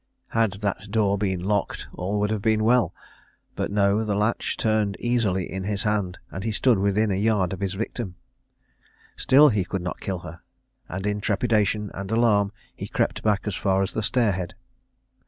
Had that door been locked all would have been well, but no, the latch turned easily in his hand, and he stood within a yard of his victim. Still he could not kill her, and in trepidation and alarm he crept back as far as the stair head.